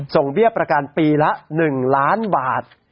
เบี้ยประกันปีละ๑ล้านบาท